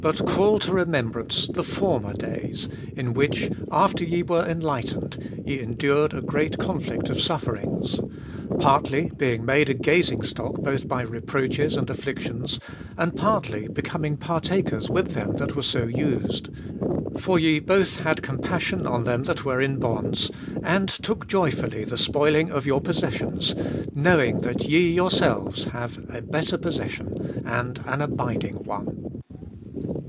But call to remembrance the former days, In which, after ye were enlightened, ye endured a great conflict of sufferings ; 33. Partly, being made a gazing stock both by reproaches and afflictions ; and partly, becoming partakers with them that were so used. 34. For ye both had compassion on them that were in bonds, and took joyfully the spoiling of your possessions, knowing that ye yourselves have a better possession and an abiding one.